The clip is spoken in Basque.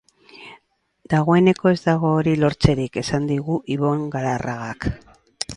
Dagoeneko ez dago hori lortzerik, esan digu Ibon Galarragak.